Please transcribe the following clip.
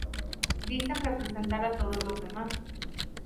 dicen representar a todos los demás